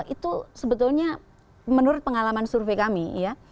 itu sebetulnya menurut pengalaman survei kami ya